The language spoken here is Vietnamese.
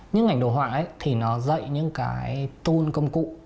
những ngành đồ họa thì nó dạy những cái tool công cụ